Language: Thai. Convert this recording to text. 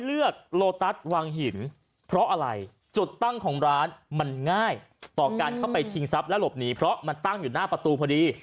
โลตัสวังหินเพราะอะไรจุดตั้งของร้านมันง่ายต่อการเข้าไปชิงทรัพย์และหลบหนีเพราะมันตั้งอยู่หน้าประตูพอดี